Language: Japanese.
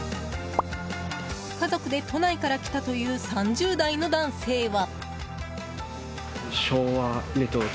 家族で都内から来たという３０代の男性は。